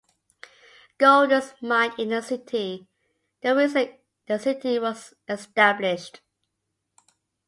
Gold is mined in the city, the reason the city was established.